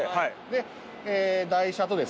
で台車とですね